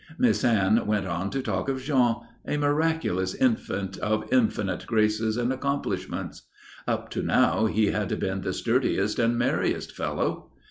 Miss Anne went on to talk of Jean, a miraculous infant of infinite graces and accomplishments. Up to now he had been the sturdiest and merriest fellow.